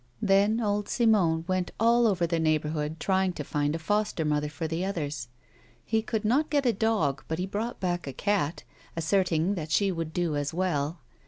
Then old Simon went all over the neighbourhood trying to find a foster mother for the others ; he could not get a dog, but he brought back a cat, asserting that she would do as well.